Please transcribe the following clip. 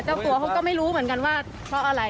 เจ้าตัวเขาก็ไม่รู้เหมือนกันว่าเพราะอะไร